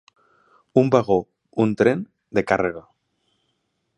Un vagó, un tren, de càrrega.